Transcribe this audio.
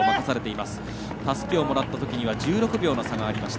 たすきをもらったときには１６秒の差がありました。